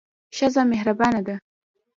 ښځه مهربانه ده.